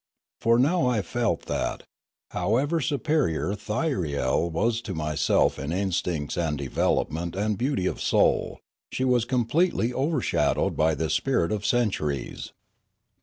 For I now felt that, however superior Thyriel was to myself in instincts and development and beauty of soul, she was completely overshadowed by this spirit of centuries.